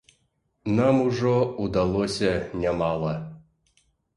Нам ужо ўдалося нямала.